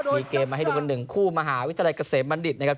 มีเกมมาให้ดูกัน๑คู่มหาวิทยาลัยเกษมบัณฑิตนะครับ